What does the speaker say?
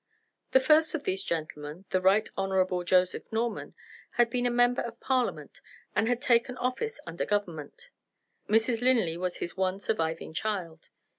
The first of these gentlemen the Right Honorable Joseph Norman had been a member of Parliament, and had taken office under Government. Mrs. Linley was his one surviving child.